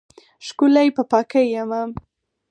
ښکلی په پاکۍ یمه